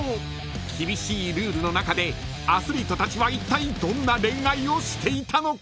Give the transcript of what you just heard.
［厳しいルールの中でアスリートたちはいったいどんな恋愛をしていたのか？］